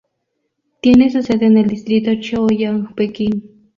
Tiene su sede en el distrito Chaoyang, Pekín.